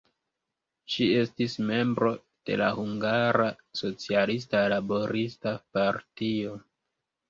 Ŝi estis membro de la Hungara Socialista Laborista Partio.